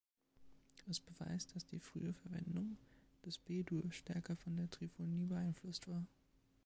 Es beweist, dass die frühe Verwendung des B-Dur stärker von der Triphonie beeinflusst war.